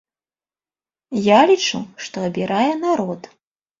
Я лічу, што абірае народ.